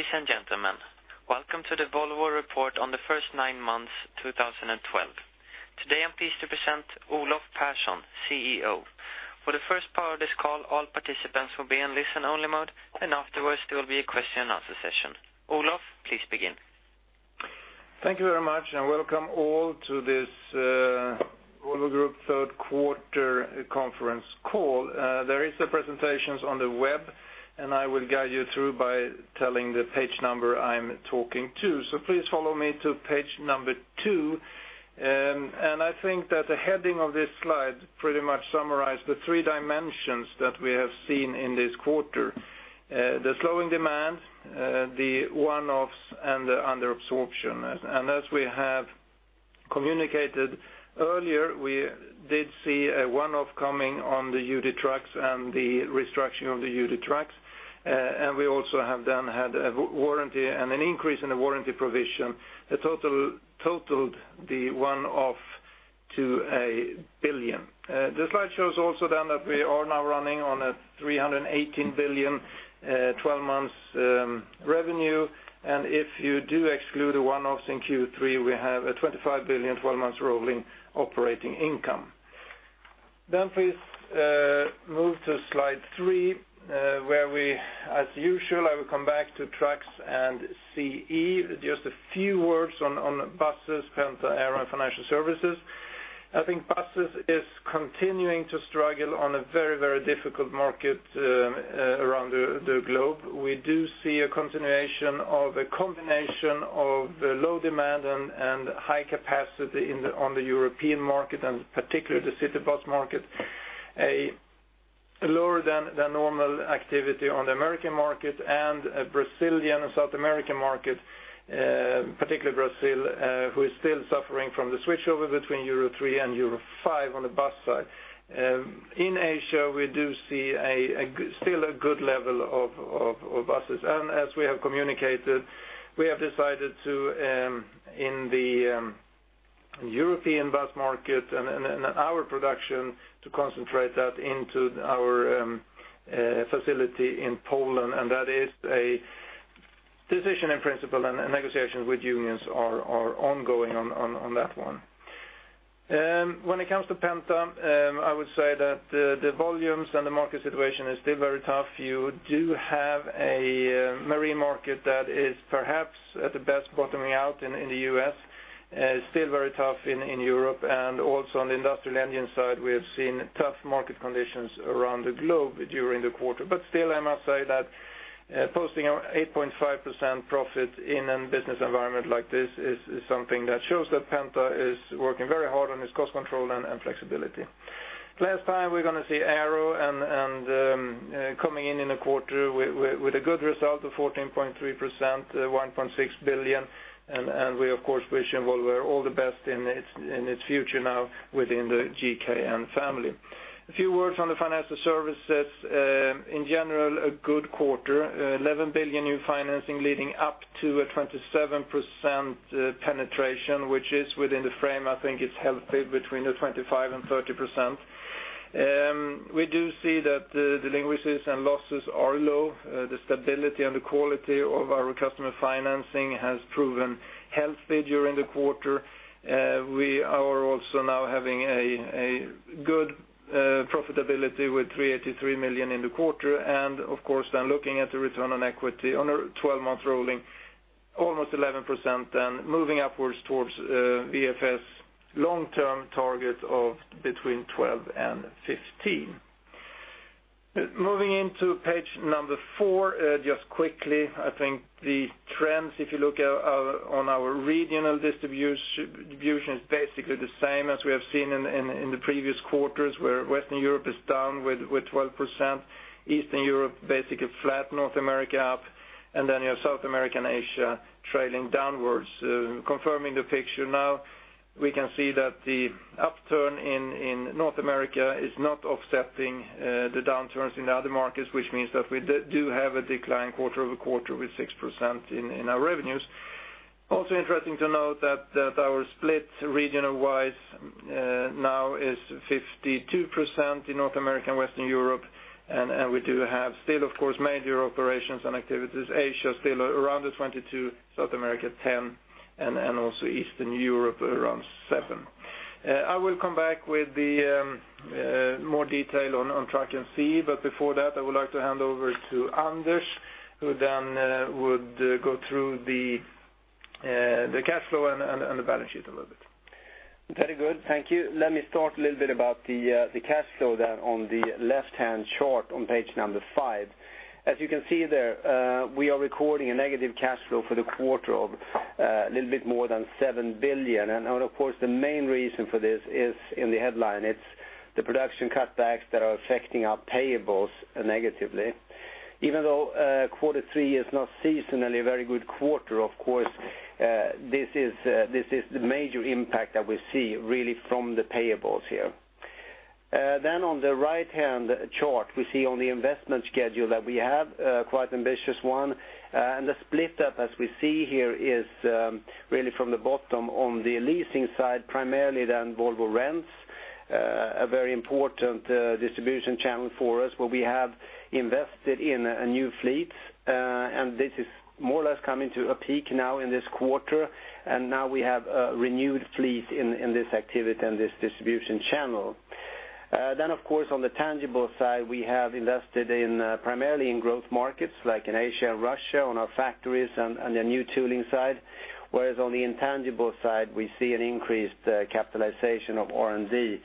Ladies and gentlemen, welcome to the Volvo report on the first nine months, 2012. Today I am pleased to present Olof Persson, CEO. For the first part of this call, all participants will be in listen only mode, and afterwards there will be a question and answer session. Olof, please begin. Thank you very much. Welcome all to this Volvo Group third quarter conference call. There is the presentations on the web, and I will guide you through by telling the page number I am talking to. Please follow me to page number two. I think that the heading of this slide pretty much summarize the three dimensions that we have seen in this quarter. The slowing demand, the one-offs and the under absorption. As we have communicated earlier, we did see a one-off coming on the UD Trucks and the restructuring of the UD Trucks. We also have then had a warranty and an increase in the warranty provision, totaled the one-off to 1 billion. The slide shows also then that we are now running on a 318 billion, 12 months revenue. If you do exclude the one-offs in Q3, we have a 25 billion, 12 months rolling operating income. Please move to slide three, where we, as usual, I will come back to Trucks and CE. Just a few words on Buses, Penta, Aero, and Financial Services. I think Buses is continuing to struggle on a very, very difficult market around the globe. We do see a continuation of a combination of low demand and high capacity on the European market, and particularly the city bus market. A lower than normal activity on the American market and Brazilian and South American market, particularly Brazil, who is still suffering from the switchover between Euro 3 and Euro 5 on the bus side. In Asia, we do see still a good level of buses. As we have communicated, we have decided to, in the European bus market and our production, to concentrate that into our facility in Poland, that is a decision in principle, and negotiations with unions are ongoing on that one. When it comes to Penta, I would say that the volumes and the market situation is still very tough. You do have a marine market that is perhaps at the best bottoming out in the U.S. Still very tough in Europe and also on the industrial engine side, we have seen tough market conditions around the globe during the quarter. Still, I must say that posting 8.5% profit in a business environment like this is something that shows that Penta is working very hard on its cost control and flexibility. Last time, we're going to see Aero coming in in a quarter with a good result of 14.3%, 1.6 billion. We, of course, wish Volvo all the best in its future now within the GKN family. A few words on the Financial Services. In general, a good quarter, 11 billion new financing leading up to a 27% penetration, which is within the frame. I think it's healthy between 25% and 30%. We do see that delinquencies and losses are low. The stability and the quality of our customer financing has proven healthy during the quarter. We are also now having a good profitability with 383 million in the quarter. Of course then looking at the return on equity on a 12-month rolling, almost 11% and moving upwards towards VFS long-term target of between 12% and 15%. Moving into page number four, just quickly, I think the trends, if you look on our regional distribution, is basically the same as we have seen in the previous quarters where Western Europe is down with 12%, Eastern Europe, basically flat, North America up, then you have South America and Asia trailing downwards. Confirming the picture now, we can see that the upturn in North America is not offsetting the downturns in the other markets, which means that we do have a decline quarter-over-quarter with 6% in our revenues. Interesting to note that our split regional wise now is 52% in North America and Western Europe, and we do have still, of course, major operations and activities. Asia still around 22%, South America 10%, and also Eastern Europe around 7%. I will come back with more detail on Truck and CE, before that, I would like to hand over to Anders, who then would go through the cash flow and the balance sheet a little bit. Very good. Thank you. Let me start a little bit about the cash flow there on the left-hand chart on page number five. As you can see there, we are recording a negative cash flow for the quarter of a little bit more than 7 billion. Of course, the main reason for this is in the headline. It's the production cutbacks that are affecting our payables negatively. Even though Q3 is not seasonally a very good quarter, of course, this is the major impact that we see really from the payables here. On the right-hand chart, we see on the investment schedule that we have quite ambitious one. The split up as we see here is really from the bottom on the leasing side, primarily then Volvo Rents, a very important distribution channel for us, where we have invested in a new fleet. This is more or less coming to a peak now in this quarter, and now we have a renewed fleet in this activity and this distribution channel. Of course, on the tangible side, we have invested primarily in growth markets, like in Asia and Russia, on our factories and the new tooling side. Whereas on the intangible side, we see an increased capitalization of R&D,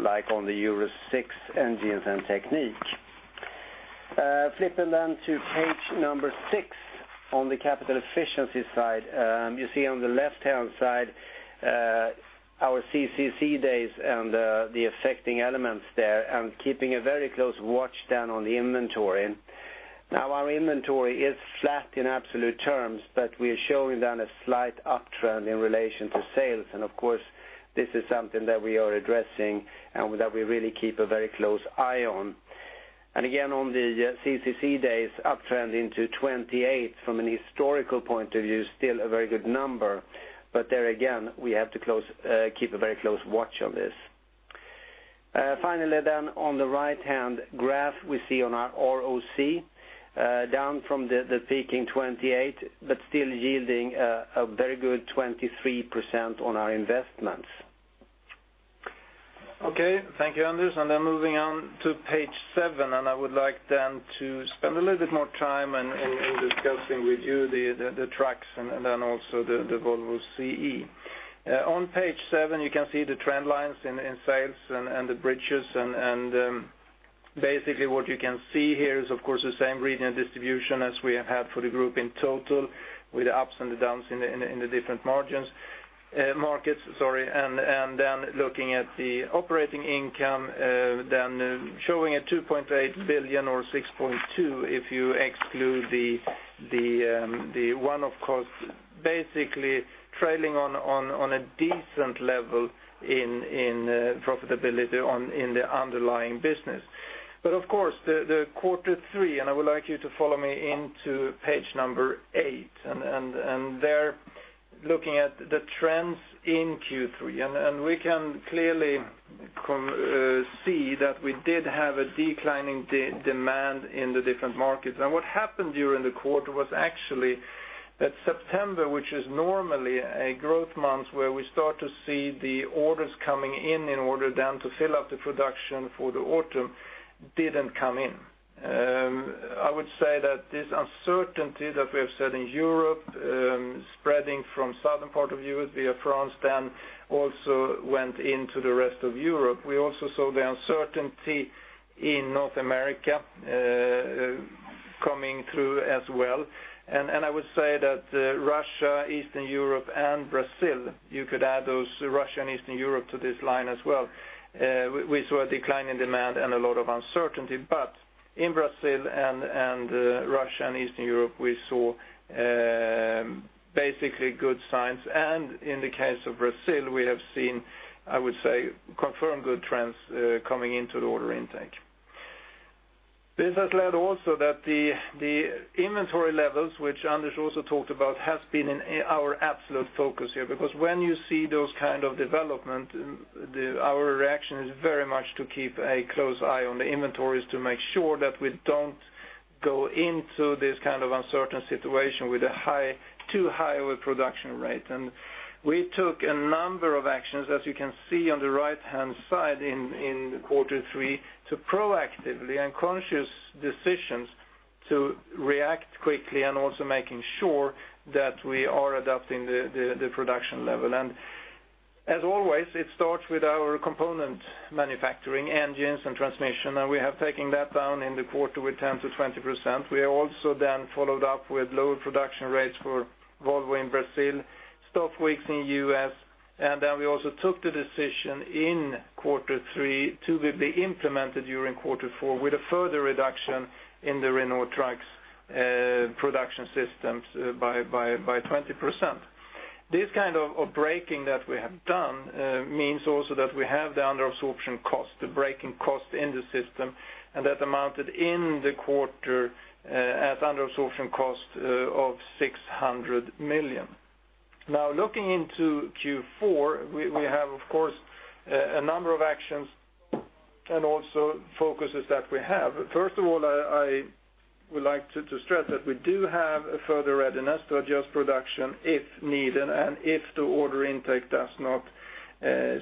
like on the Euro 6 engines and technique. Flipping to page six on the capital efficiency side. You see on the left-hand side, our CCC days and the affecting elements there, and keeping a very close watch then on the inventory. Our inventory is flat in absolute terms, but we are showing then a slight uptrend in relation to sales. Of course, this is something that we are addressing, and that we really keep a very close eye on. Again, on the CCC days, uptrend into 28 from a historical point of view, still a very good number, but there again, we have to keep a very close watch on this. Finally, on the right-hand graph, we see on our ROC, down from the peak in 28, but still yielding a very good 23% on our investments. Okay. Thank you, Anders. Moving on to page seven, I would like then to spend a little bit more time in discussing with you the trucks and then also the Volvo CE. On page seven, you can see the trend lines in sales and the bridges. Basically, what you can see here is, of course, the same regional distribution as we have had for the group in total, with the ups and the downs in the different markets. Looking at the operating income, then showing a 2.8 billion or 6.2 billion, if you exclude the one, of course, basically trailing on a decent level in profitability in the underlying business. Of course, the Q3, I would like you to follow me into page eight, and there, looking at the trends in Q3. We can clearly see that we did have a declining demand in the different markets. What happened during the quarter was actually that September, which is normally a growth month where we start to see the orders coming in order then to fill up the production for the autumn, didn't come in. I would say that this uncertainty that we have seen in Europe, spreading from southern part of Europe via France, then also went into the rest of Europe. We also saw the uncertainty in North America coming through as well. I would say that Russia, Eastern Europe and Brazil, you could add those, Russia and Eastern Europe to this line as well. We saw a decline in demand and a lot of uncertainty. In Brazil and Russia and Eastern Europe, we saw basically good signs. In the case of Brazil, we have seen, I would say, confirmed good trends coming into the order intake. This has led also that the inventory levels, which Anders also talked about, has been our absolute focus here, because when you see those kind of development, our reaction is very much to keep a close eye on the inventories to make sure that we don't go into this kind of uncertain situation with a too high of a production rate. We took a number of actions, as you can see on the right-hand side in quarter three, to proactively and conscious decisions to react quickly and also making sure that we are adapting the production level. As always, it starts with our component manufacturing, engines and transmission, and we have taken that down in the quarter with 10%-20%. We also then followed up with lower production rates for Volvo in Brazil, stop weeks in U.S. We also took the decision in quarter three to be implemented during quarter four with a further reduction in the Renault Trucks production systems by 20%. This kind of breaking that we have done means also that we have the under absorption cost, the breaking cost in the system, and that amounted in the quarter as under absorption cost of 600 million. Looking into Q4, we have, of course, a number of actions and also focuses that we have. First of all, I would like to stress that we do have a further readiness to adjust production if needed and if the order intake does not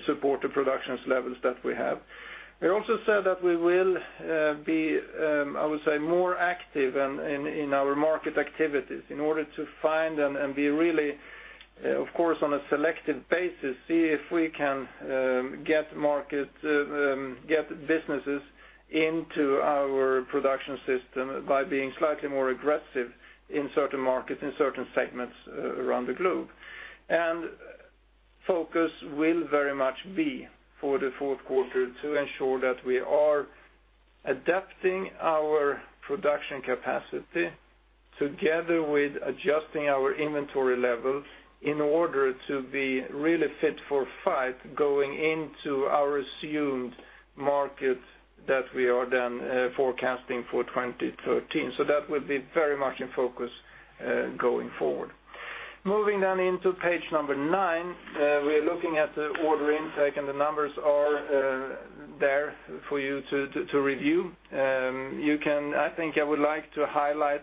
support the production levels that we have. We also said that we will be, I would say, more active in our market activities in order to find and be really, of course, on a selective basis, see if we can get businesses into our production system by being slightly more aggressive in certain markets, in certain segments around the globe. Focus will very much be for the fourth quarter to ensure that we are adapting our production capacity together with adjusting our inventory levels in order to be really fit for fight going into our assumed market that we are then forecasting for 2013. That will be very much in focus going forward. Moving down into page nine, we are looking at the order intake and the numbers are there for you to review. I think I would like to highlight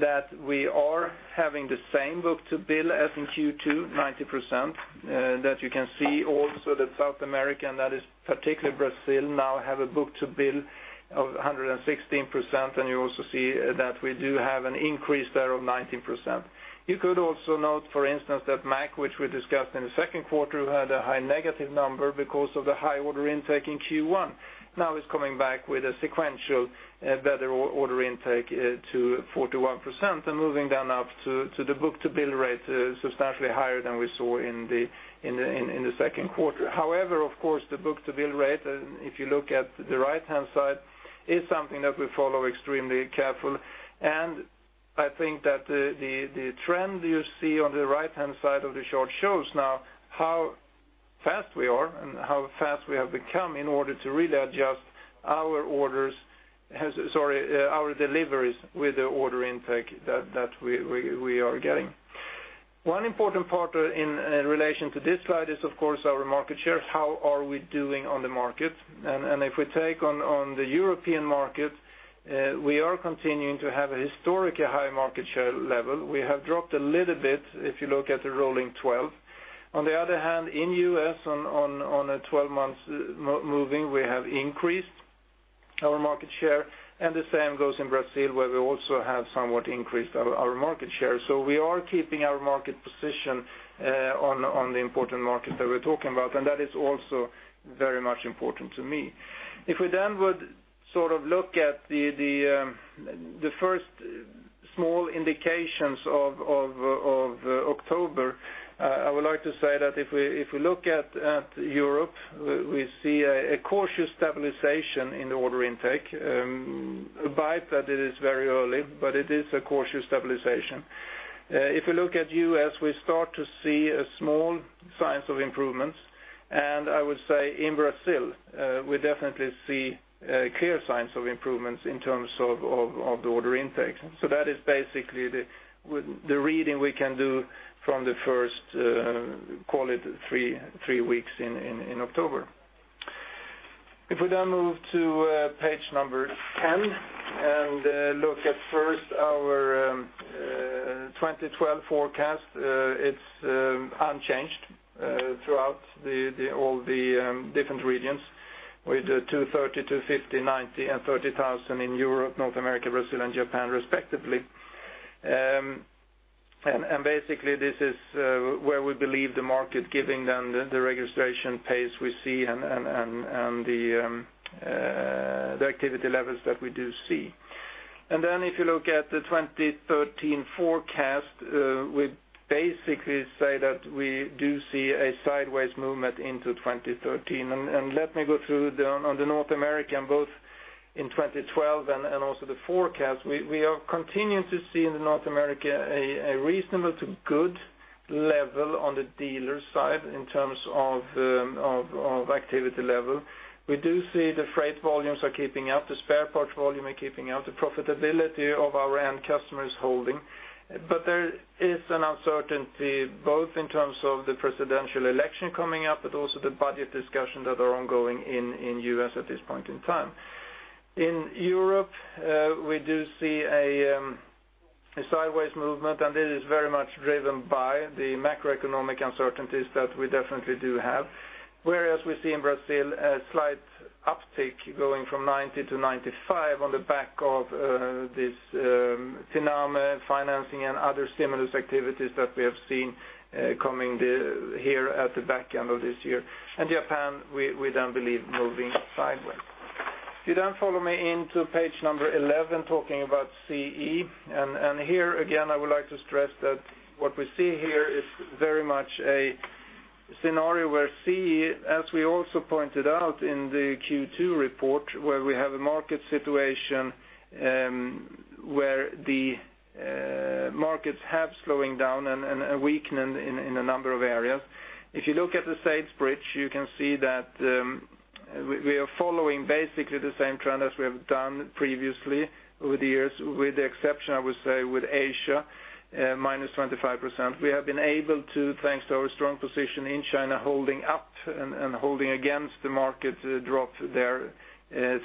that we are having the same book-to-bill as in Q2, 90%, that you can see also that South America, and that is particularly Brazil, now have a book-to-bill of 116%, and you also see that we do have an increase there of 19%. You could also note, for instance, that Mack, which we discussed in the second quarter, had a high negative number because of the high order intake in Q1, now is coming back with a sequential better order intake to 41%, and moving down up to the book-to-bill rate, substantially higher than we saw in the second quarter. However, of course, the book-to-bill rate, if you look at the right-hand side, is something that we follow extremely carefully. I think that the trend you see on the right-hand side of the chart shows now how fast we are and how fast we have become in order to really adjust our deliveries with the order intake that we are getting. One important part in relation to this slide is, of course, our market shares. How are we doing on the market? If we take on the European market, we are continuing to have a historically high market share level. We have dropped a little bit if you look at the rolling 12. On the other hand, in the U.S., on a 12 months moving, we have increased our market share, and the same goes in Brazil, where we also have somewhat increased our market share. We are keeping our market position on the important markets that we're talking about, and that is also very much important to me. If we then would look at the first small indications of October, I would like to say that if we look at Europe, we see a cautious stabilization in the order intake, abide that it is very early, but it is a cautious stabilization. If we look at U.S., we start to see small signs of improvements, and I would say in Brazil, we definitely see clear signs of improvements in terms of the order intake. That is basically the reading we can do from the first, call it, three weeks in October. If we then move to page number 10 and look at first our 2012 forecast, it's unchanged throughout all the different regions with 230, 250, 90, and 30,000 in Europe, North America, Brazil, and Japan, respectively. Basically, this is where we believe the market giving them the registration pace we see and the activity levels that we do see. If you look at the 2013 forecast, we basically say that we do see a sideways movement into 2013. Let me go through on the North America, both in 2012 and also the forecast. We are continuing to see in North America a reasonable to good level on the dealer side in terms of activity level. We do see the freight volumes are keeping up, the spare parts volume are keeping up, the profitability of our end customer is holding. There is an uncertainty both in terms of the presidential election coming up, but also the budget discussions that are ongoing in the U.S. at this point in time. In Europe, we do see a sideways movement, and it is very much driven by the macroeconomic uncertainties that we definitely do have. Whereas we see in Brazil a slight uptick going from 90 to 95 on the back of this Finame financing and other stimulus activities that we have seen coming here at the back end of this year. Japan, we then believe moving sideways. If you then follow me into page 11, talking about CE, and here again, I would like to stress that what we see here is very much a scenario where CE, as we also pointed out in the Q2 report, where we have a market situation where the markets have slowing down and a weakening in a number of areas. If you look at the sales bridge, you can see that we are following basically the same trend as we have done previously over the years, with the exception, I would say, with Asia, minus 25%. We have been able to, thanks to our strong position in China, holding up and holding against the market drop there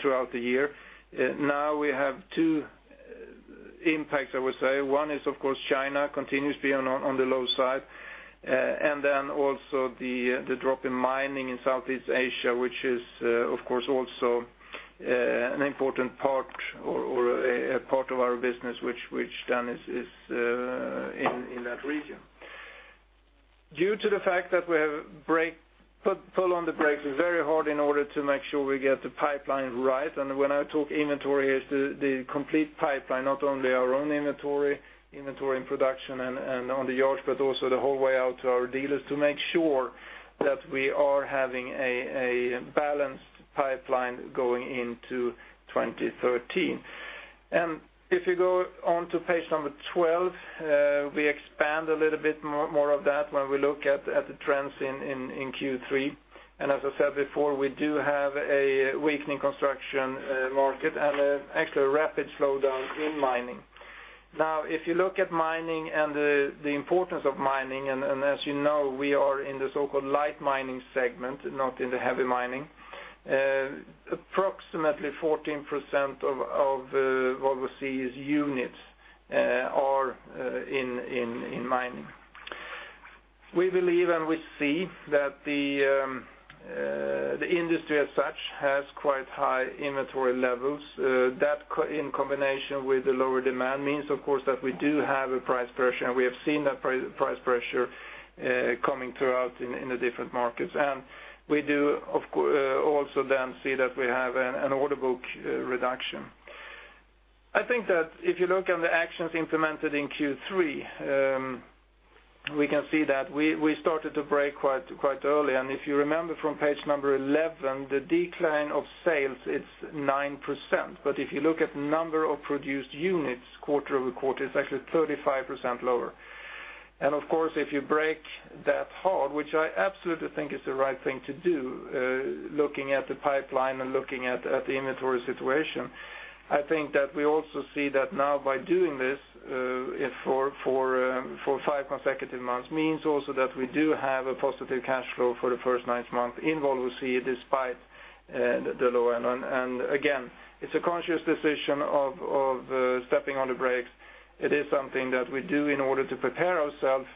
throughout the year. Now we have two impacts, I would say. One is, of course, China continues to be on the low side. Also the drop in mining in Southeast Asia, which is, of course, also an important part of our business, which then is in that region. Due to the fact that we have pulled on the brakes very hard in order to make sure we get the pipeline right, and when I talk inventory, it's the complete pipeline, not only our own inventory in production and on the yards, but also the whole way out to our dealers to make sure that we are having a balanced pipeline going into 2013. And if you go on to page 12, we expand a little bit more of that when we look at the trends in Q3. And as I said before, we do have a weakening construction market and actually a rapid slowdown in mining. Now, if you look at mining and the importance of mining, and as you know, we are in the so-called light mining segment, not in the heavy mining. Approximately 14% of Volvo CE's units are in mining. We believe and we see that the industry as such has quite high inventory levels. That, in combination with the lower demand, means, of course, that we do have a price pressure, and we have seen that price pressure coming throughout in the different markets. And we do also then see that we have an order book reduction. I think that if you look on the actions implemented in Q3, we can see that we started to brake quite early. And if you remember from page 11, the decline of sales, it's 9%. But if you look at number of produced units quarter-over-quarter, it's actually 35% lower. Of course, if you brake that hard, which I absolutely think is the right thing to do, looking at the pipeline and looking at the inventory situation, I think that we also see that now by doing this, for five consecutive months, means also that we do have a positive cash flow for the first nine months in Volvo CE despite the low end. And again, it's a conscious decision of stepping on the brakes. It is something that we do in order to prepare ourselves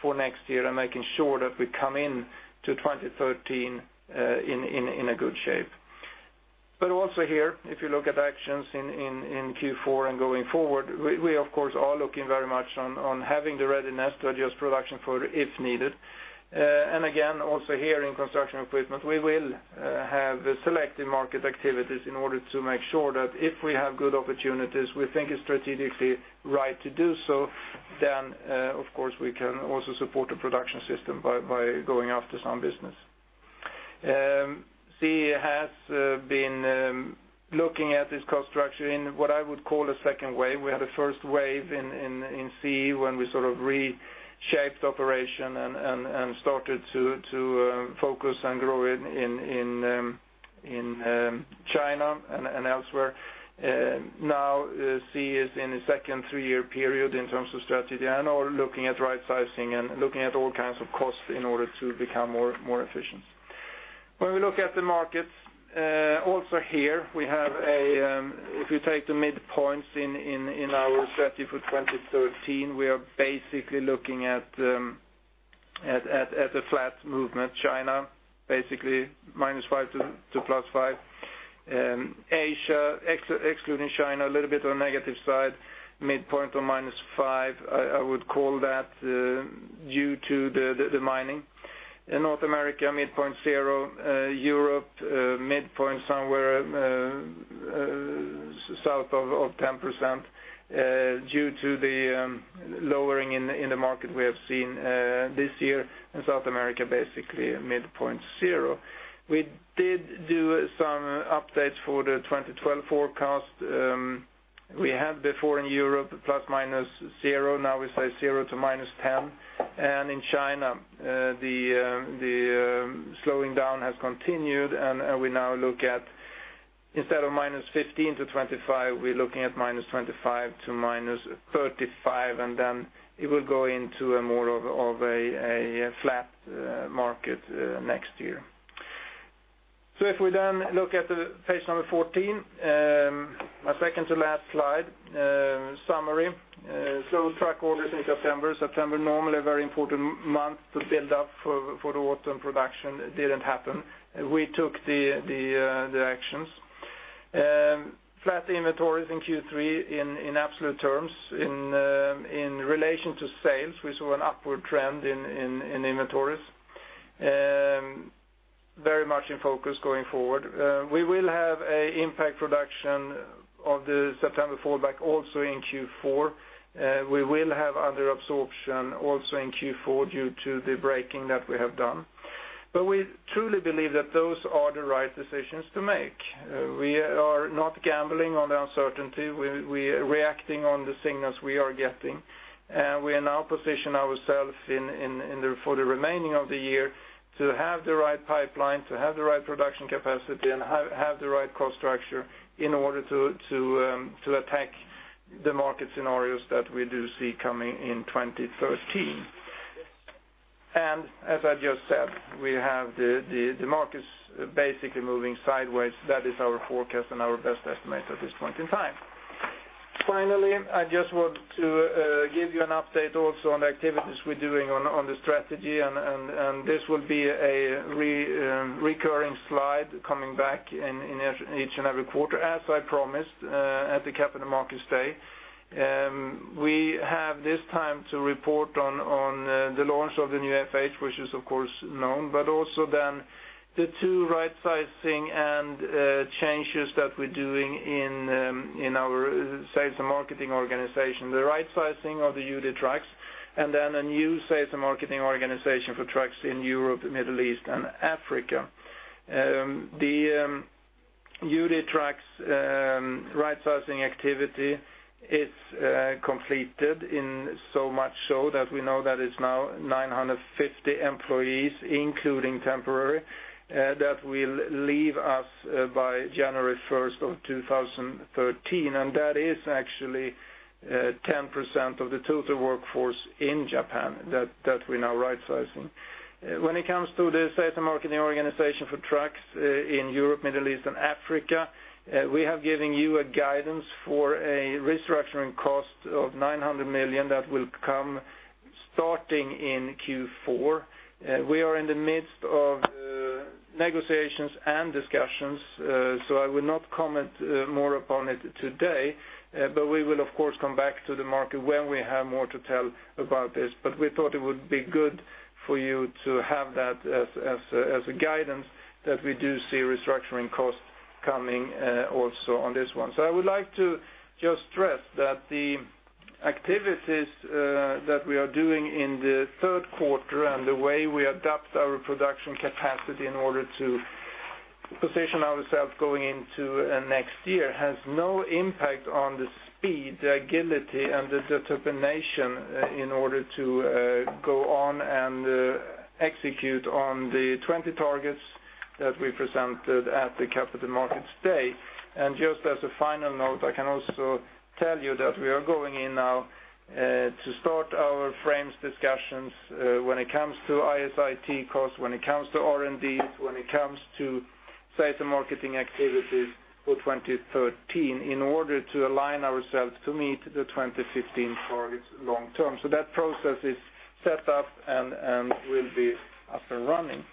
for next year and making sure that we come into 2013 in a good shape. Also here, if you look at actions in Q4 and going forward, we of course are looking very much on having the readiness to adjust production if needed. Again, also here in construction equipment, we will have selective market activities in order to make sure that if we have good opportunities, we think it's strategically right to do so, then of course we can also support the production system by going after some business. CE has been looking at its cost structure in what I would call a second wave. We had a first wave in CE when we sort of reshaped operation and started to focus and grow in China and elsewhere. Now, CE is in a second 3-year period in terms of strategy and are looking at rightsizing and looking at all kinds of costs in order to become more efficient. When we look at the markets, also here, if you take the midpoints in our strategy for 2013, we are basically looking at a flat movement. China, basically -5 to +5. Asia, excluding China, a little bit on the negative side, midpoint of -5, I would call that, due to the mining. In North America, midpoint zero. Europe, midpoint somewhere south of 10% due to the lowering in the market we have seen this year. In South America, basically a midpoint zero. We did do some updates for the 2012 forecast. We had before in Europe, ±0. Now we say 0 to -10. In China, the slowing down has continued, and we now look at, instead of -15 to -25, we're looking at -25 to -35, and then it will go into a more of a flat market next year. If we then look at page number 14, my second to last slide. Summary. Slow truck orders in September. September, normally a very important month to build up for the autumn production. It didn't happen. We took the actions. Flat inventories in Q3 in absolute terms. In relation to sales, we saw an upward trend in inventories. Very much in focus going forward. We will have an impact production of the September fallback also in Q4. We will have under absorption also in Q4 due to the braking that we have done. We truly believe that those are the right decisions to make. We are not gambling on the uncertainty. We are reacting on the signals we are getting. We now position ourselves for the remaining of the year to have the right pipeline, to have the right production capacity, and have the right cost structure in order to attack the market scenarios that we do see coming in 2013. As I just said, the market is basically moving sideways. That is our forecast and our best estimate at this point in time. Finally, I just want to give you an update also on the activities we're doing on the strategy, and this will be a recurring slide coming back in each and every quarter, as I promised at the Capital Markets Day. We have this time to report on the launch of the new FH, which is of course known, but also then the two rightsizing and changes that we're doing in our sales and marketing organization. The rightsizing of the UD Trucks, and then a new sales and marketing organization for trucks in Europe, the Middle East, and Africa. The UD Trucks rightsizing activity is completed in so much so that we know that it's now 950 employees, including temporary, that will leave us by January 1st of 2013. That is actually 10% of the total workforce in Japan that we're now rightsizing. When it comes to the sales and marketing organization for trucks in Europe, Middle East, and Africa, we have given you a guidance for a restructuring cost of 900 million that will come starting in Q4. We are in the midst of negotiations and discussions. I will not comment more upon it today, we will, of course, come back to the market when we have more to tell about this. We thought it would be good for you to have that as a guidance that we do see restructuring costs coming also on this one. I would like to just stress that the activities that we are doing in the third quarter and the way we adapt our production capacity in order to position ourselves going into next year has no impact on the speed, agility, and the determination in order to go on and execute on the 20 targets that we presented at the Capital Markets Day. Just as a final note, I can also tell you that we are going in now to start our frames discussions when it comes to IS/IT costs, when it comes to R&D, when it comes to sales and marketing activities for 2013 in order to align ourselves to meet the 2015 targets long term. That process is set up and will be up and running.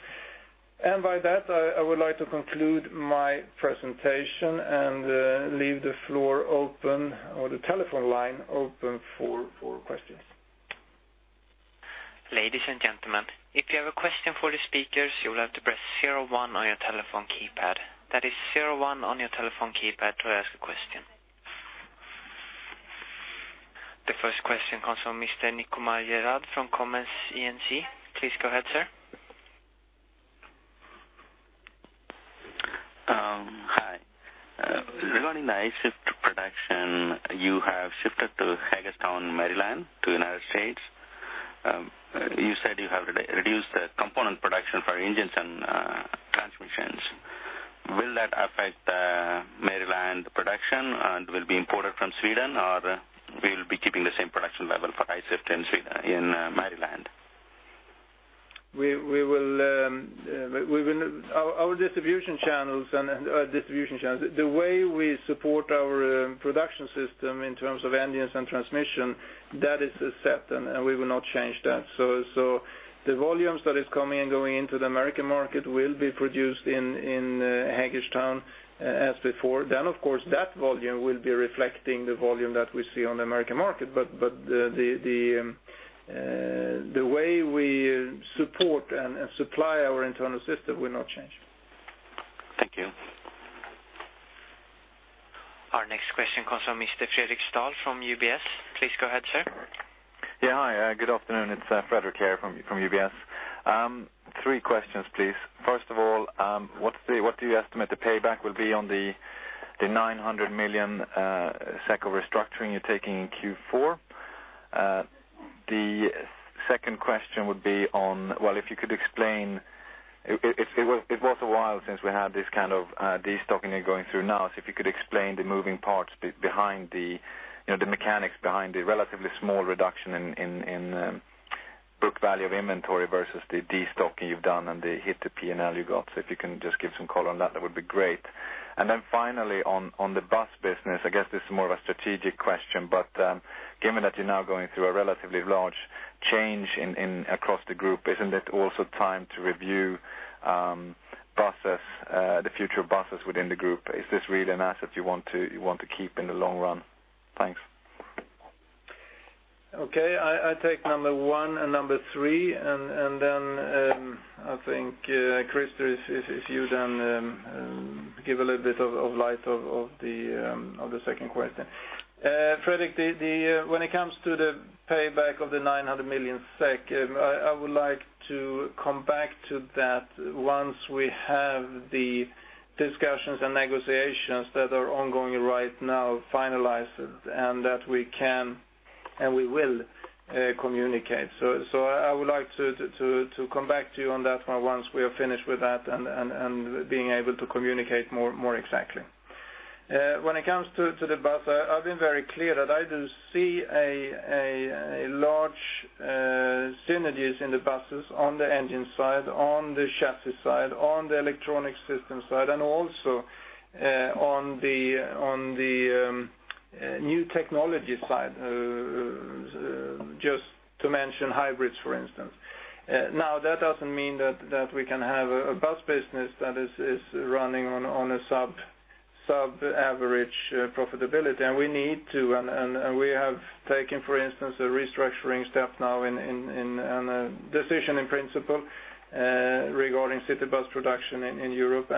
By that, I would like to conclude my presentation and leave the floor open or the telephone line open for questions. Ladies and gentlemen, if you have a question for the speakers, you will have to press 01 on your telephone keypad. That is 01 on your telephone keypad to ask a question. The first question comes from Mr. Nilkamal Garude from Morgan Stanley. Please go ahead, sir. Hi. Regarding the I-Shift production, you have shifted to Hagerstown, Maryland, to United States. You said you have reduced the component production for engines and transmissions. Will that affect the Maryland production and will be imported from Sweden? Or we'll be keeping the same production level for I-Shift in Maryland? Our distribution channels, the way we support our production system in terms of engines and transmission, that is set, and we will not change that. The volumes that are coming and going into the American market will be produced in Hagerstown as before. Of course, that volume will be reflecting the volume that we see on the American market, but the way we support and supply our internal system will not change. Thank you. Our next question comes from Mr. Fredric Stahl from UBS. Please go ahead, sir. Yeah. Hi, good afternoon. It's Fredric here from UBS. Three questions, please. First of all, what do you estimate the payback will be on the 900 million SEK of restructuring you're taking in Q4? The second question would be on, well, if you could explain, it was a while since we had this kind of de-stocking you're going through now. If you could explain the moving parts behind the mechanics behind the relatively small reduction in book value of inventory versus the de-stocking you've done and the hit to P&L you got. If you can just give some color on that would be great. Finally on the bus business, I guess this is more of a strategic question, but given that you're now going through a relatively large change across the group, isn't it also time to review process, the future of buses within the group? Is this really an asset you want to keep in the long run? Thanks. Okay, I take number 1 and number 3. I think, Christer, if you give a little bit of light of the second question. Fredric, when it comes to the payback of the 900 million SEK, I would like to come back to that once we have the discussions and negotiations that are ongoing right now finalized, and that we can, and we will communicate. I would like to come back to you on that one once we are finished with that and being able to communicate more exactly. When it comes to the bus, I've been very clear that I do see large synergies in the buses on the engine side, on the chassis side, on the electronic system side, and also on the new technology side, just to mention hybrids, for instance. That doesn't mean that we can have a bus business that is running on a sub-average profitability, and we need to, and we have taken, for instance, a restructuring step now and a decision in principle regarding city bus production in Europe.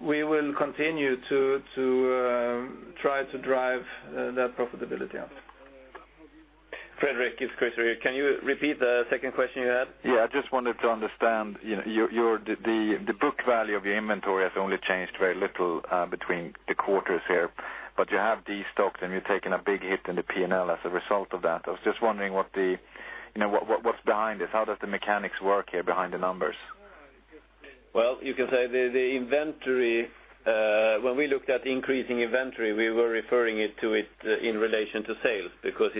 We will continue to try to drive that profitability up. Fredric, it's Christer here. Can you repeat the second question you had? Yeah, I just wanted to understand the book value of your inventory has only changed very little between the quarters here, but you have de-stocked, and you're taking a big hit in the P&L as a result of that. I was just wondering what's behind this? How does the mechanics work here behind the numbers? Well, you can say the inventory, when we looked at increasing inventory, we were referring to it in relation to sales, because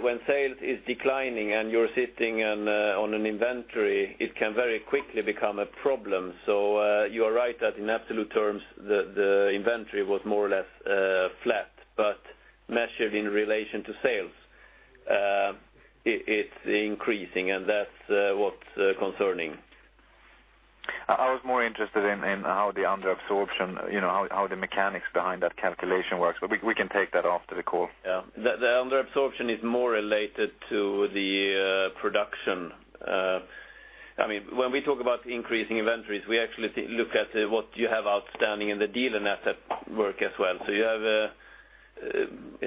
when sales is declining and you're sitting on an inventory, it can very quickly become a problem. You are right that in absolute terms, the inventory was more or less flat, but measured in relation to sales, it's increasing and that's what's concerning. I was more interested in how the under absorption, how the mechanics behind that calculation works, we can take that after the call. Yeah. The under absorption is more related to the production. When we talk about increasing inventories, we actually look at what you have outstanding in the dealer network as well.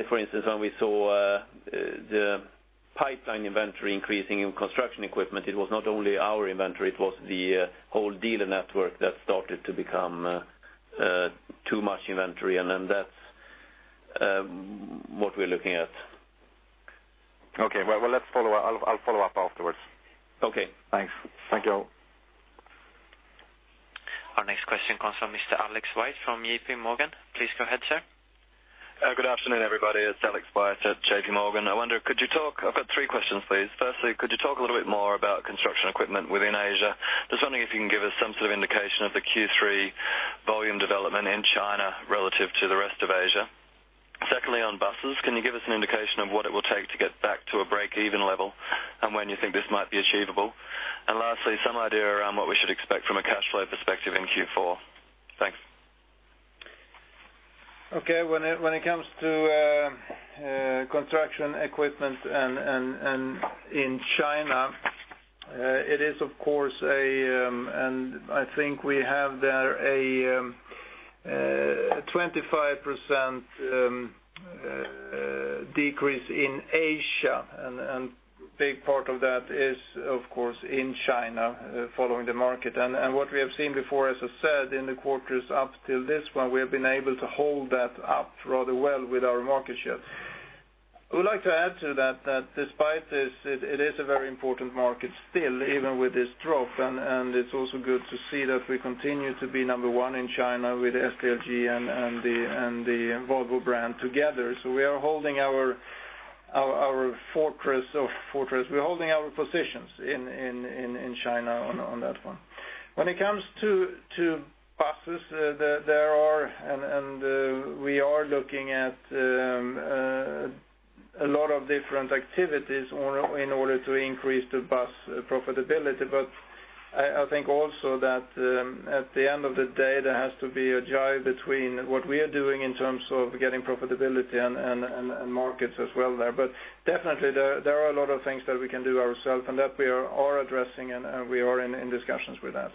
For instance, when we saw the pipeline inventory increasing in construction equipment, it was not only our inventory, it was the whole dealer network that started to become too much inventory, that's what we're looking at. Okay. Well, I'll follow up afterwards. Okay. Thanks. Thank you all. Our next question comes from Mr. Alex White from JP Morgan. Please go ahead, sir. Good afternoon, everybody. It's Alex White at J.P. Morgan. I've got three questions, please. Firstly, could you talk a little bit more about construction equipment within Asia? Just wondering if you can give us some sort of indication of the Q3 volume development in China relative to the rest of Asia. Secondly, on buses, can you give us an indication of what it will take to get back to a break-even level, and when you think this might be achievable? Lastly, some idea around what we should expect from a cash flow perspective in Q4. Thanks. Okay. When it comes to construction equipment in China, it is of course, I think we have there a 25% decrease in Asia, big part of that is, of course, in China, following the market. What we have seen before, as I said, in the quarters up till this one, we have been able to hold that up rather well with our market share. I would like to add to that despite this, it is a very important market still, even with this drop. It's also good to see that we continue to be number one in China with SDLG and the Volvo brand together. We are holding our fortress. We're holding our positions in China on that one. When it comes to buses, we are looking at a lot of different activities in order to increase the bus profitability. I think also that at the end of the day, there has to be a drive between what we are doing in terms of getting profitability and markets as well there. Definitely, there are a lot of things that we can do ourselves, and that we are addressing, and we are in discussions with that.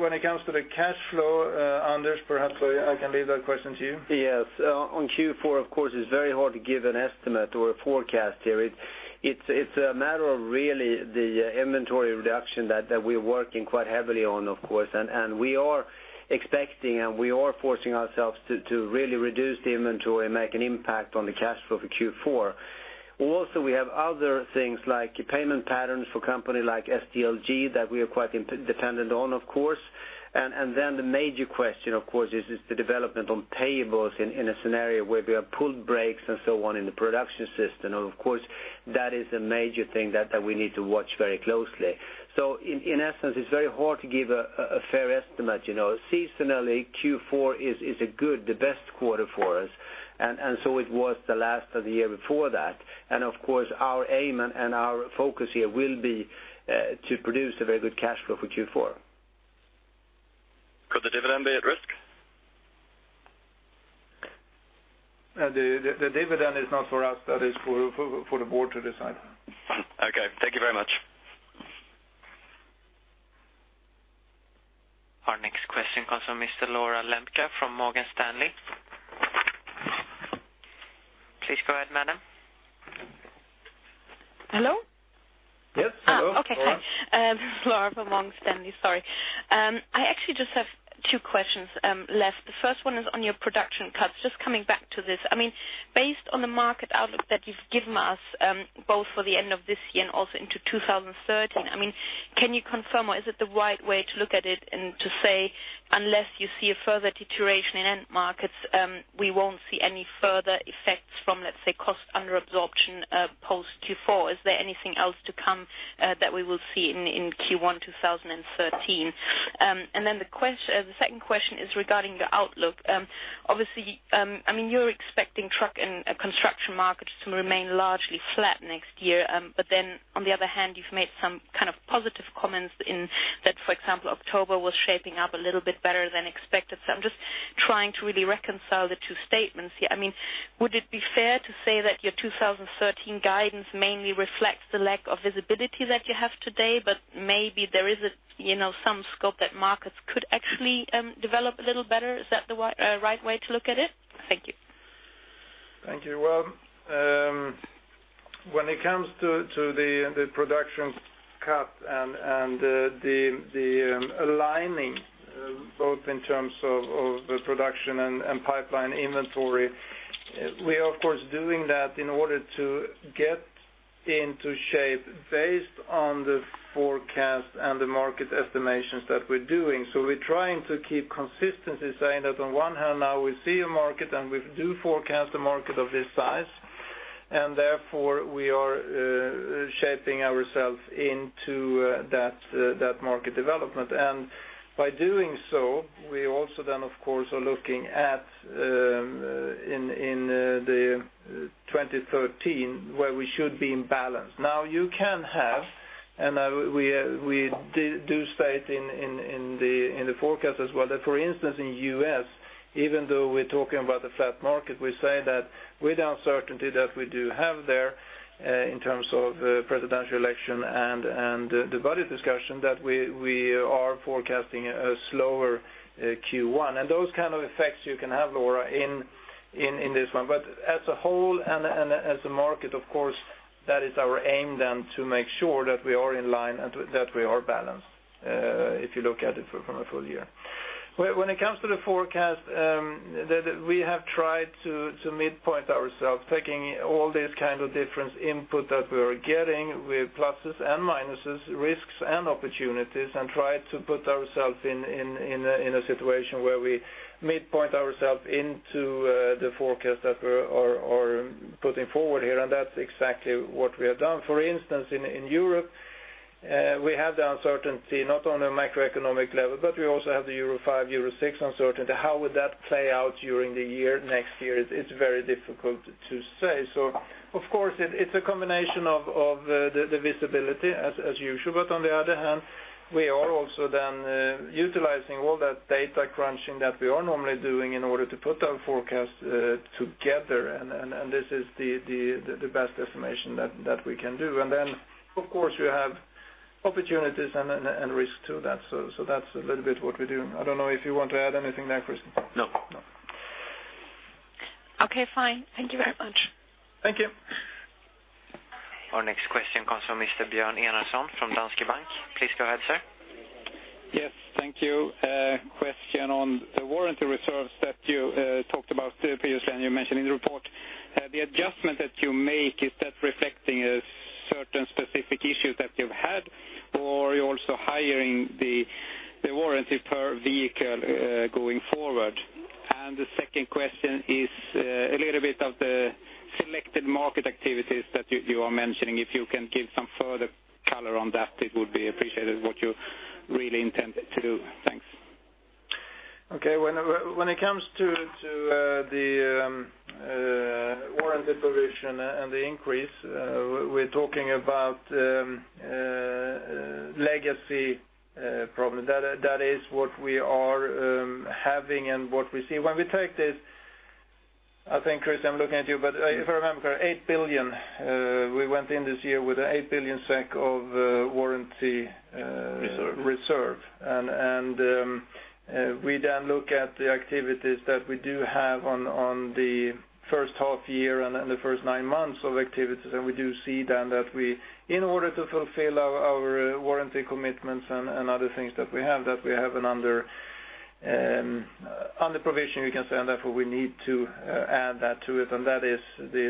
When it comes to the cash flow, Anders, perhaps I can leave that question to you. Yes. On Q4, of course, it's very hard to give an estimate or a forecast here. It's a matter of really the inventory reduction that we're working quite heavily on, of course, we are expecting, we are forcing ourselves to really reduce the inventory and make an impact on the cash flow for Q4. Also, we have other things like payment patterns for company like SDLG that we are quite dependent on, of course. The major question, of course, is the development on payables in a scenario where we have pulled breaks and so on in the production system. Of course, that is a major thing that we need to watch very closely. In essence, it's very hard to give a fair estimate. Seasonally, Q4 is a good, the best quarter for us. It was the last of the year before that. Of course, our aim and our focus here will be to produce a very good cash flow for Q4. Could the dividend be at risk? The dividend is not for us, that is for the board to decide. Okay. Thank you very much. Our next question comes from Ms. Laura Lembke from Morgan Stanley. Please go ahead, madam. Hello? Yes. Hello, Laura. Okay. Hi. Laura from Morgan Stanley. Sorry. I actually just have two questions left. The first one is on your production cuts. Just coming back to this. Based on the market outlook that you've given us, both for the end of this year and also into 2030, can you confirm or is it the right way to look at it and to say, unless you see a further deterioration in end markets, we won't see any further effects from, let's say, cost under absorption, post Q4. Is there anything else to come that we will see in Q1 2013? The second question is regarding the outlook. Obviously, you're expecting truck and construction markets to remain largely flat next year. On the other hand, you've made some kind of positive comments in that, for example, October was shaping up a little bit better than expected. I'm just trying to really reconcile the two statements here. Would it be fair to say that your 2013 guidance mainly reflects the lack of visibility that you have today, but maybe there is some scope that markets could actually develop a little better. Is that the right way to look at it? Thank you. Thank you. When it comes to the production cut and the aligning both in terms of the production and pipeline inventory, we are, of course, doing that in order to get into shape based on the forecast and the market estimations that we're doing. We're trying to keep consistency, saying that on one hand now we see a market and we do forecast a market of this size, and therefore we are shaping ourselves into that market development. By doing so, we also then of course are looking at in 2013 where we should be in balance. You can have, and we do state in the forecast as well, that for instance in the U.S., even though we're talking about a flat market, we say that with the uncertainty that we do have there in terms of presidential election and the budget discussion, that we are forecasting a slower Q1. Those kind of effects you can have, Laura, in this one. As a whole and as a market, of course, that is our aim then to make sure that we are in line and that we are balanced, if you look at it from a full year. When it comes to the forecast, we have tried to midpoint ourselves, taking all these kind of different input that we are getting with pluses and minuses, risks and opportunities, and try to put ourselves in a situation where we midpoint ourselves into the forecast that we are putting forward here, and that's exactly what we have done. For instance, in Europe, we have the uncertainty not on a macroeconomic level, but we also have the Euro 5, Euro 6 uncertainty. How would that play out during the year, next year? It's very difficult to say. Of course, it's a combination of the visibility as usual. On the other hand, we are also then utilizing all that data crunching that we are normally doing in order to put our forecast together, and this is the best estimation that we can do. Of course you have opportunities and risks to that. That's a little bit what we're doing. I don't know if you want to add anything there, Christer? No. No. Okay, fine. Thank you very much. Thank you. Our next question comes from Mr. Björn Enarson from Danske Bank. Please go ahead, sir. Yes, thank you. Question on the warranty reserves that you talked about previously, and you mentioned in the report. The adjustment that you make, is that reflecting a certain specific issue that you've had, or are you also highering the warranty per vehicle going forward? The second question is a little bit of the selected market activities that you are mentioning. If you can give some further color on that, it would be appreciated what you really intend to do. Thanks. Okay. When it comes to the warranty provision and the increase we're talking about legacy problems. That is what we are having and what we see. When we take this, I think, Christer, I'm looking at you, but if I remember correct, 8 billion. We went in this year with an 8 billion SEK of warranty- Reserve reserve. We then look at the activities that we do have on the first half year and the first nine months of activities. We do see then that in order to fulfill our warranty commitments and other things that we have under provision, we can say, therefore we need to add that to it. That is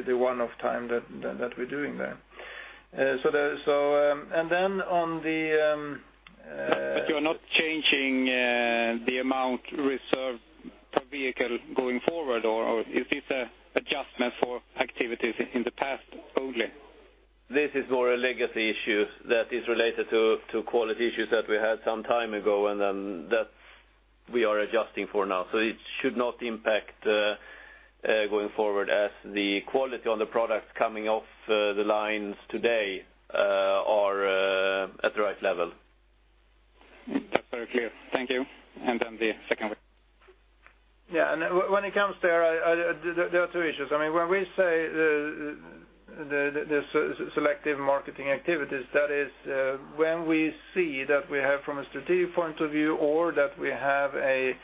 the one-off time that we're doing there. You're not changing the amount reserved per vehicle going forward, or is this adjustment for activities in the past only? This is more a legacy issue that is related to quality issues that we had some time ago, and then that we are adjusting for now. It should not impact going forward as the quality on the product coming off the lines today are at the right level. That's very clear. Thank you. The second one. When it comes there are two issues. When we say the selective marketing activities, that is when we see that we have from a strategic point of view or that we have a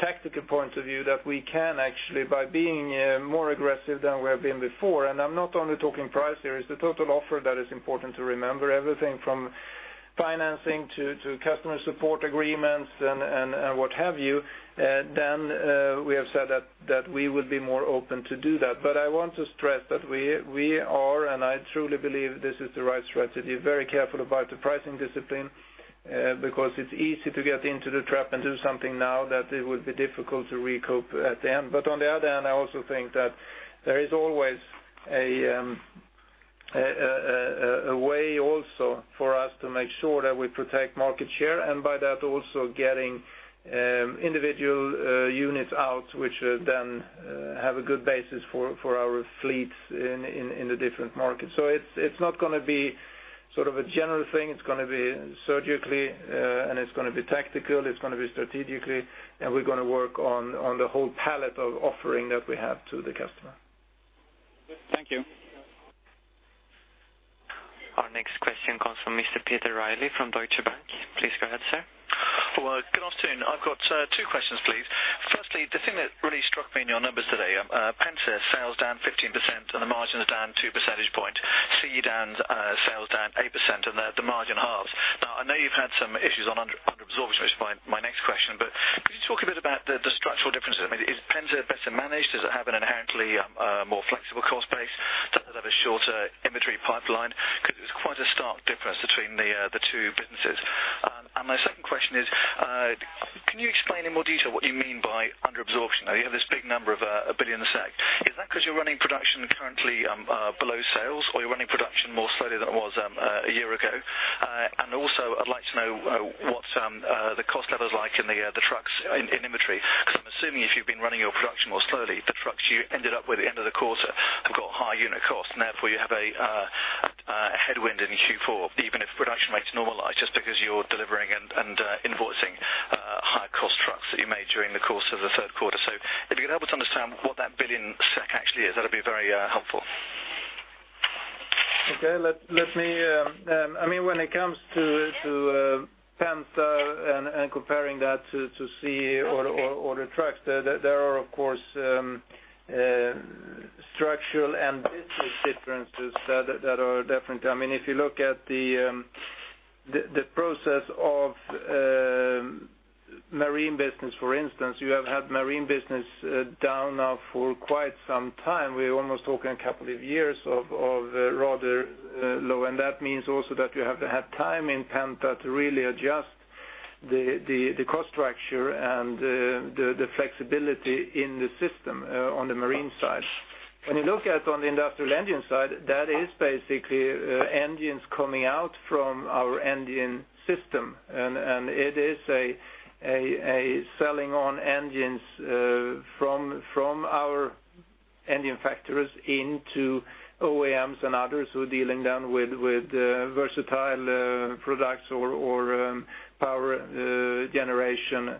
tactical point of view that we can actually by being more aggressive than we have been before, and I'm not only talking price here, it's the total offer that is important to remember. Everything from financing to customer support agreements and what have you, we have said that we would be more open to do that. I want to stress that we are, and I truly believe this is the right strategy, very careful about the pricing discipline because it's easy to get into the trap and do something now that it would be difficult to recoup at the end. On the other hand, I also think that there is always a way also for us to make sure that we protect market share, and by that also getting individual units out which then have a good basis for our fleets in the different markets. It's not going to be a general thing. It's going to be surgically and it's going to be tactical, it's going to be strategically, and we're going to work on the whole palette of offering that we have to the customer. Thank you. Our next question comes from Mr. Peter Reilly from Deutsche Bank. Please go ahead, sir. Well, good afternoon. I've got two questions, please. Firstly, the thing that really struck me in your numbers Down 8% and the margin halves. Now, I know you've had some issues on under-absorption, which is my next question, but could you talk a bit about the structural differences? Is Penta better managed? Does it have an inherently more flexible cost base? Does it have a shorter inventory pipeline? Because there's quite a stark difference between the two businesses. My second question is, can you explain in more detail what you mean by under-absorption? You have this big number of 1 billion. Is that because you're running production currently below sales, or you're running production more slowly than it was a year ago? Also, I'd like to know what the cost level is like in the trucks in inventory, because I'm assuming if you've been running your production more slowly, the trucks you ended up with at the end of the quarter have got higher unit costs, and therefore you have a headwind in Q4, even if production rates normalize just because you're delivering and invoicing higher cost trucks that you made during the course of the third quarter. If you could help us understand what that SEK 1 billion actually is, that'd be very helpful. Okay. When it comes to Penta and comparing that to CE or the trucks, there are, of course, structural and business differences that are different. If you look at the process of marine business, for instance, you have had marine business down now for quite some time. We're almost talking a couple of years of rather low, and that means also that you have to have time in Penta to really adjust the cost structure and the flexibility in the system on the marine side. When you look at on the industrial engine side, that is basically engines coming out from our engine system, it is a selling on engines from our engine factories into OEMs and others who are dealing with versatile products or power generation,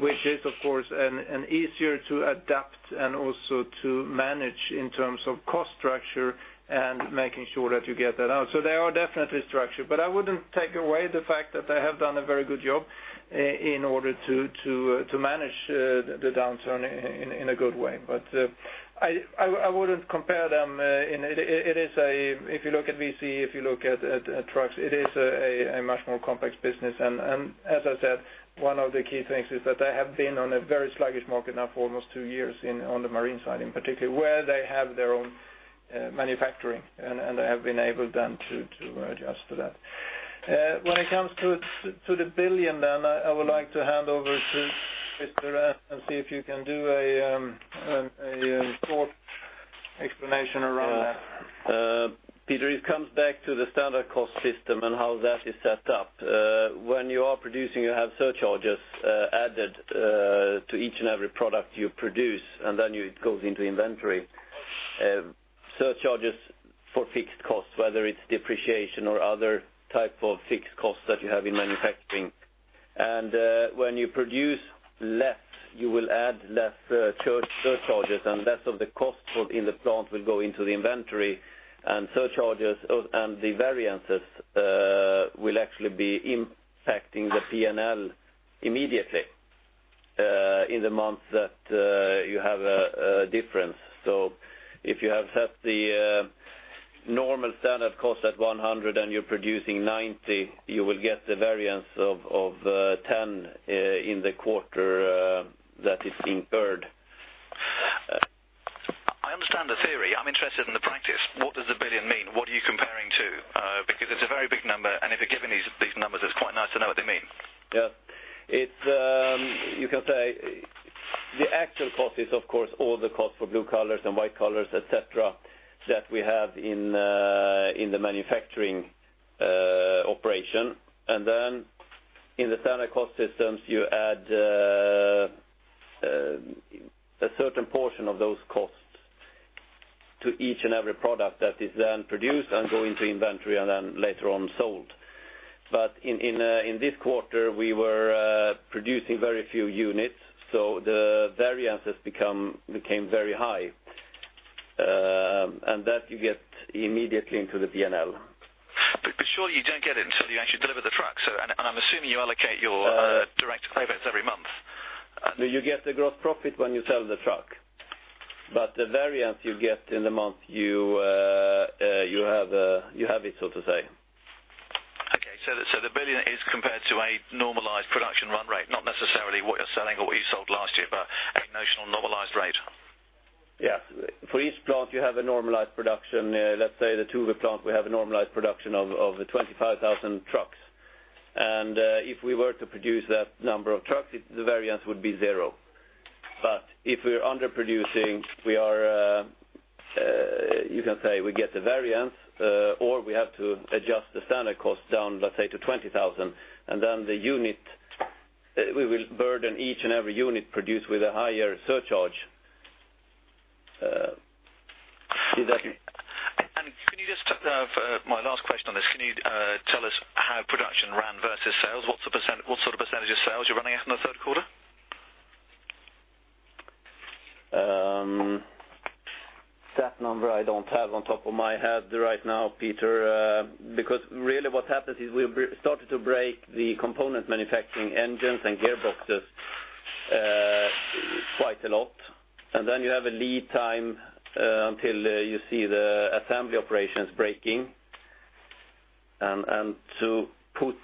which is, of course, an easier to adapt and also to manage in terms of cost structure and making sure that you get that out. They are definitely structured. I wouldn't take away the fact that they have done a very good job in order to manage the downturn in a good way. I wouldn't compare them. If you look at CE, if you look at trucks, it is a much more complex business. As I said, one of the key things is that they have been on a very sluggish market now for almost 2 years on the marine side, in particular, where they have their own manufacturing. They have enabled them to adjust to that. When it comes to the billion, I would like to hand over to Mr. See if you can do a short explanation around that. Peter, it comes back to the standard cost system and how that is set up. When you are producing, you have surcharges added to each and every product you produce. Then it goes into inventory. Surcharges for fixed costs, whether it's depreciation or other type of fixed costs that you have in manufacturing. When you produce less, you will add less surcharges. Less of the cost in the plant will go into the inventory. Surcharges and the variances will actually be impacting the P&L immediately in the month that you have a difference. If you have set the normal standard cost at 100 and you're producing 90, you will get the variance of 10 in the quarter that is in Q3. I understand the theory. I'm interested in the practice. What does the billion mean? What are you comparing to? It's a very big number. If you're given these numbers, it's quite nice to know what they mean. You can say the actual cost is, of course, all the cost for blue collars and white collars, et cetera, that we have in the manufacturing operation. In the standard cost systems, you add a certain portion of those costs to each and every product that is then produced and go into inventory and then later on sold. In this quarter, we were producing very few units, so the variance became very high. That you get immediately into the P&L. Surely you don't get it until you actually deliver the truck. I'm assuming you allocate your direct labor every month. You get the gross profit when you sell the truck. The variance you get in the month, you have it, so to say. The 1 billion is compared to a normalized production run rate, not necessarily what you're selling or what you sold last year, but a notional normalized rate. Yeah. For each plant, you have a normalized production. Let's say the Tuve plant, we have a normalized production of 25,000 trucks. If we were to produce that number of trucks, the variance would be zero. If we are underproducing, you can say we get the variance, or we have to adjust the standard cost down, let's say, to 20,000, then we will burden each and every unit produced with a higher surcharge. Is that? Can you just, my last question on this, can you tell us how production ran versus sales? What sort of percentage of sales you are running at in the third quarter? That number I don't have on top of my head right now, Peter, because really what happens is we started to break the component manufacturing engines and gearboxes quite a lot. Then you have a lead time until you see the assembly operations breaking. To put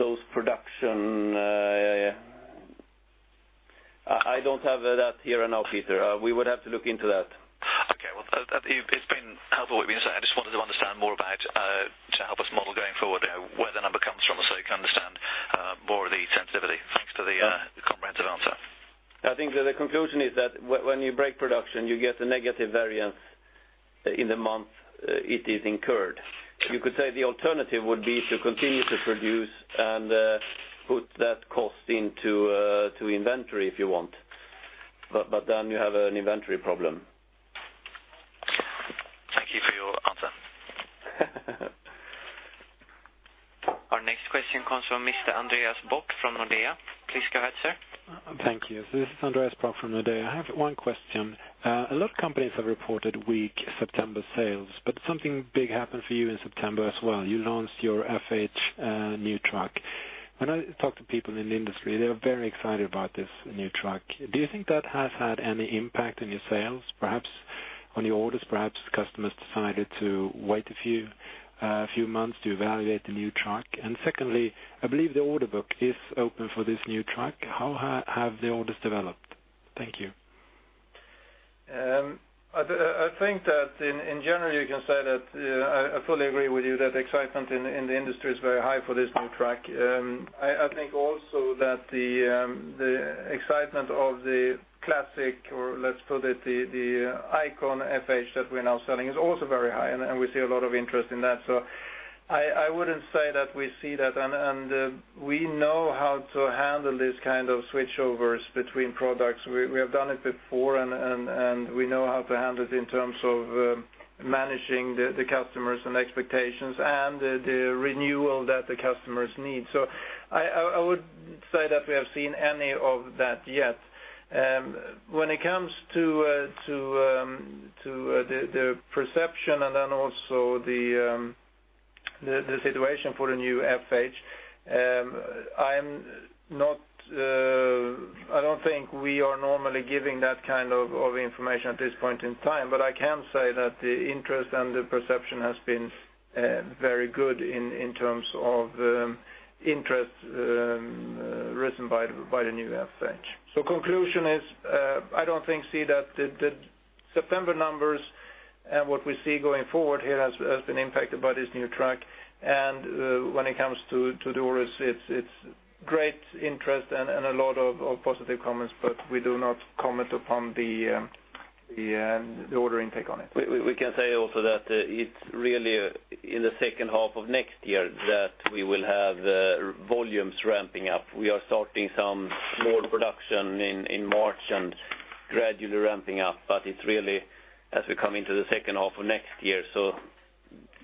those production, I don't have that here and now, Peter. We would have to look into that. Okay. Well, it's been helpful. I just wanted to understand more about, to help us model going forward, where the number comes from so you can understand more of the sensitivity. Thanks for the comprehensive answer. I think that the conclusion is that when you break production, you get a negative variance in the month it is incurred. You could say the alternative would be to continue to produce and put that cost into inventory if you want. Then you have an inventory problem. Thank you for your answer. Our next question comes from Mr. Andreas Brock from Nordea. Please go ahead, sir. Thank you. This is Andreas Brock from Nordea. I have one question. A lot of companies have reported weak September sales, something big happened for you in September as well. You launched your FH new truck. When I talk to people in the industry, they are very excited about this new truck. Do you think that has had any impact on your sales, perhaps on your orders? Perhaps customers decided to wait a few months to evaluate the new truck. Secondly, I believe the order book is open for this new truck. How have the orders developed? Thank you. I think that in general, you can say that I fully agree with you that excitement in the industry is very high for this new truck. I think also that the excitement of the classic, or let's put it, the icon FH that we are now selling is also very high, and we see a lot of interest in that. I wouldn't say that we see that, and we know how to handle these kind of switchovers between products. We have done it before, and we know how to handle it in terms of managing the customers and expectations and the renewal that the customers need. I wouldn't say that we have seen any of that yet. When it comes to the perception and then also the situation for the new FH, I don't think we are normally giving that kind of information at this point in time, but I can say that the interest and the perception has been very good in terms of interest risen by the new FH. Conclusion is, I don't think, see that the September numbers and what we see going forward here has been impacted by this new truck. When it comes to the orders, it's great interest and a lot of positive comments, but we do not comment upon the order intake on it. We can say also that it's really in the second half of next year that we will have volumes ramping up. We are starting some small production in March and gradually ramping up, but it's really as we come into the second half of next year, so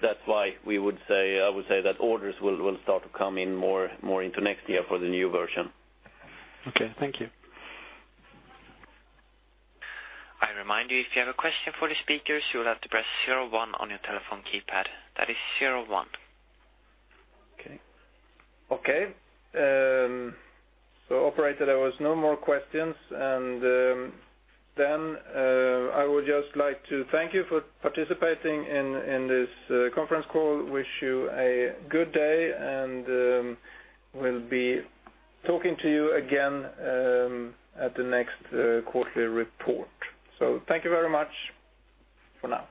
that's why I would say that orders will start to come in more into next year for the new version. Okay. Thank you. I remind you, if you have a question for the speakers, you will have to press 01 on your telephone keypad. That is 01. Okay. Operator, there was no more questions, I would just like to thank you for participating in this conference call. Wish you a good day, we'll be talking to you again at the next quarterly report. Thank you very much for now.